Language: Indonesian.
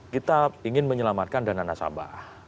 kita ingin menyelamatkan dana nasabah